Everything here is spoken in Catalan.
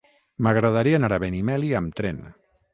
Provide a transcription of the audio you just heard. M'agradaria anar a Benimeli amb tren.